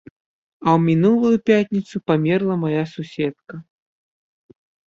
А ў мінулую пятніцу памерла мая суседка.